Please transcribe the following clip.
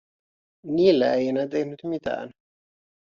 Niillä ei enää tehnyt mitään.